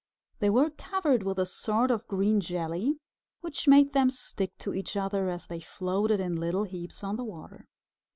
They were covered with a sort of green jelly which made them stick to each other as they floated in little heaps on the water.